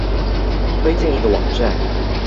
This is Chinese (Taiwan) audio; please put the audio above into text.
推薦一個網站